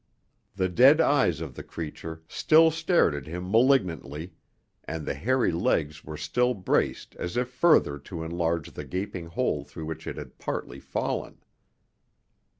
The dead eyes of the creature still stared at him malignantly, and the hairy legs were still braced as if further to enlarge the gaping hole through which it had partly fallen.